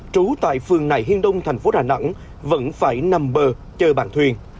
trú tại phường nại hiên đông thành phố đà nẵng vẫn phải nằm bờ chờ bàn thuyền